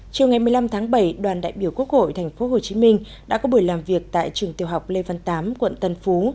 chiều ngày một mươi năm tháng bảy đoàn đại biểu quốc hội tp hcm đã có buổi làm việc tại trường tiểu học lê văn tám quận tân phú